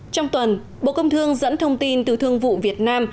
trong tuần bộ công thương dẫn thông tin từ thương vụ việt nam